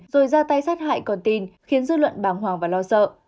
rồi ra tay sát hại con tin khiến dư luận bàng hoàng và lo sợ